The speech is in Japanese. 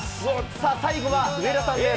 さあ、最後は上田さんです。